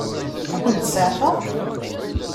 Ad kent-seɛfeɣ?